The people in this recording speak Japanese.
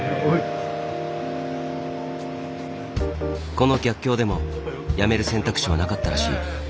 この逆境でもやめる選択肢はなかったらしい。